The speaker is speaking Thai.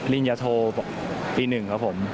ลินยโทปี๑ครับผม